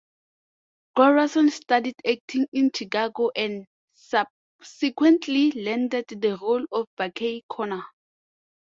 Goranson studied acting in Chicago and subsequently landed the role of Becky Conner.